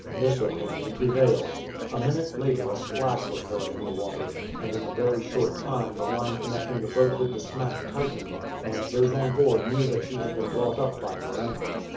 This opinion prevailed. A minute latter a splash was heard in the water, and in a very short time the line connecting the boat with the smack tightened, and those on board knew that she had been brought up by her anchor.